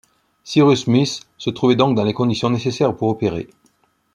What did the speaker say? Cyrus Smith se trouvait donc dans les conditions nécessaires pour opérer